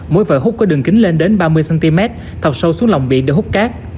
mỗi vỏ hút có đường kính lên đến ba mươi cm thọc sâu xuống lòng biển để hút cát